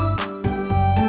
sampai jumpa lagi